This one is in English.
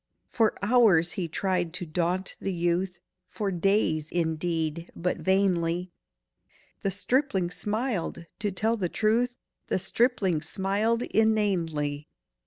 For hours he tried to daunt the youth, For days, indeed, but vainly— The stripling smiled!—to tell the truth, The stripling smiled inanely.